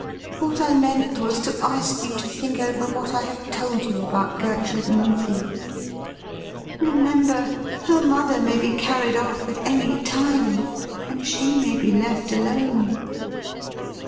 What I meant was to ask you to think over what I have told you about Gertrude Morefield. Remember, her mother may be carried oif at any time, and she may be left alone.'